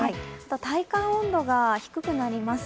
体感温度が低くなります。